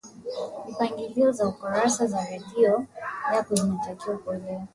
mipangilio ya kurasa za redio yako zinatakiwa kueleweka